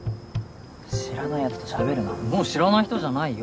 知らないヤツとしゃべるなもう知らない人じゃないよ